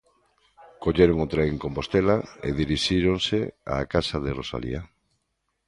Colleron o tren en Compostela e dirixíronse á Casa de Rosalía.